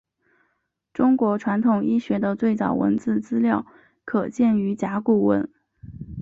中国传统医学的最早文字资料可见于甲骨文。